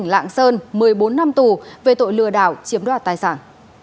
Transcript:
lạng sơn một mươi bốn năm tù về tội lừa đảo chiếm đoạt tài sản